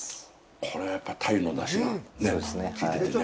これはやっぱり鯛の出汁がきいててね。